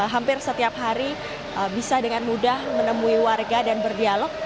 hampir setiap hari bisa dengan mudah menemui warga dan berdialog